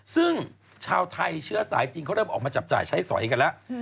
ซึ่งชาวไทยเชื้อสายจีนเขาเริ่มออกมาจับจ่ายใช้สอยกันแล้ว